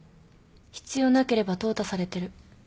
必要なければ淘汰されてる。